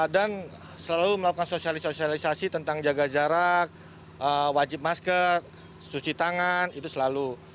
dan selalu melakukan sosialisasi tentang jaga jarak wajib masker cuci tangan itu selalu